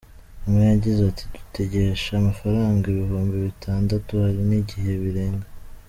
Umwe yagize ati “Dutegesha amafaranga ibihumbi bitandatu hari n’igihe birenga.